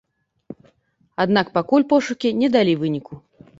Аднак пакуль пошукі не далі выніку.